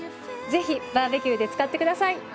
ぜひバーベキューで使ってください。